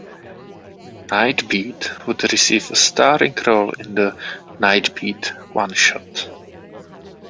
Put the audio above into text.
Nightbeat would receive a starring role in the ": Nightbeat" one-shot.